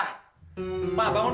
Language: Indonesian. kamu yang buat hidup aku begini